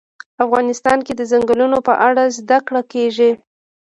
افغانستان کې د ځنګلونه په اړه زده کړه کېږي.